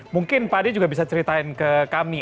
mungkin pak ade juga bisa ceritain ke kami